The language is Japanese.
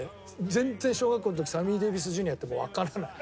全然小学校の時サミー・デイヴィスＪｒ．ってわからない。